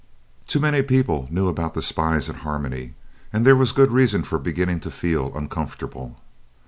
Too many people knew about the spies at Harmony, and there was good reason for beginning to feel uncomfortable.